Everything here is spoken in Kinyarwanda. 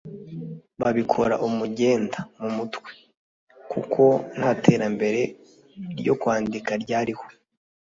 babikora umugenda (mu mutwe) kuko ntaterambere ryo kwandika ryariho.